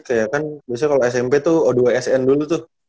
kayak kan biasanya kalau smp tuh o dua sn dulu tuh